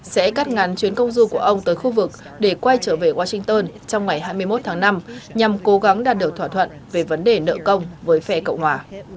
sẽ cắt ngắn chuyến công du của ông tới khu vực để quay trở về washington trong ngày hai mươi một tháng năm nhằm cố gắng đạt được thỏa thuận về vấn đề nợ công với phe cộng hòa